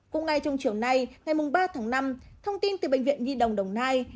cũng ngay trong chiều nay ngày ba tháng năm thông tin từ bệnh viện nhi đồng đồng nai